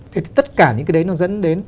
thế thì tất cả những cái đấy nó dẫn đến